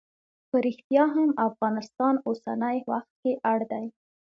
په ریښتیا هم افغانستان اوسنی وخت کې اړ دی.